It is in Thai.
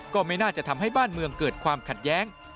ก็ไม่น่าจะทำให้บ้านเมืองเกิดความขัดแย้ง